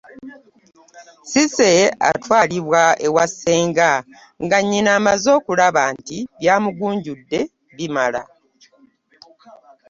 Cissy atwalibwa e wa ssenga nga nnyina amaze okulaba nti by'amugunjudde bimala.